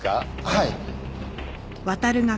はい。